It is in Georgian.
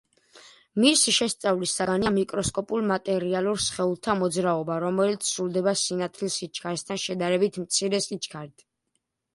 მისი შესწავლის საგანია მიკროსკოპულ მატერიალურ სხეულთა მოძრაობა, რომელიც სრულდება სინათლის სიჩქარესთან შედარებით მცირე სიჩქარით.